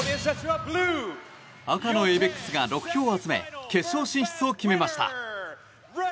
赤のエイベックスが６票を集め決勝進出を決めました。